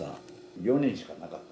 ４人しかなかった。